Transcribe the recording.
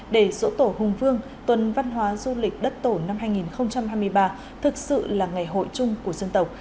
để sổ tổ hùng vương tuần văn hóa du lịch đất tổ năm hai nghìn hai mươi ba thực sự là ngày hội chung của dân tộc